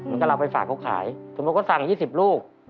แล้วก็เราไปฝากเขาขายสมมุติเขาสั่ง๒๐ลูก